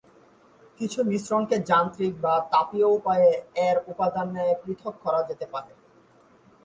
কিছু মিশ্রণকে যান্ত্রিক বা তাপীয় উপায়ে এর উপাদানে পৃথক করা যেতে পারে।